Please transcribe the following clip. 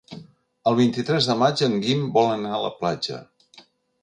El vint-i-tres de maig en Guim vol anar a la platja.